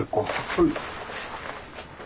はい。